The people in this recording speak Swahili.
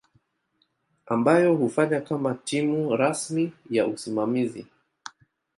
ambayo hufanya kama timu rasmi ya usimamizi.